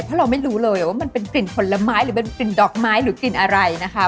เพราะเราไม่รู้เลยว่ามันเป็นกลิ่นผลไม้หรือเป็นกลิ่นดอกไม้หรือกลิ่นอะไรนะคะ